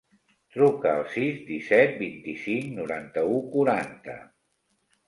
Truca al sis, disset, vint-i-cinc, noranta-u, quaranta.